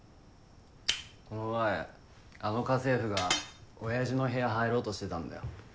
この前あの家政婦が親父の部屋入ろうとしてたんだよ。